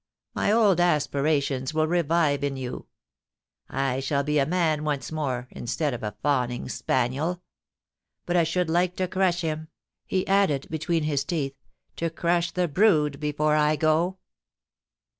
My old aspirations will revive in you. I shall be a man once more, instead of a fawning spaniel ... But I should like to crush him,' he added, between his teeth —* to crush the brood before I go